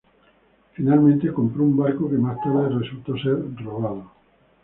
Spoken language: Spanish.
Finalmente, compró un barco que más tarde resultó ser robado.